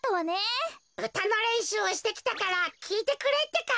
うたのれんしゅうをしてきたからきいてくれってか。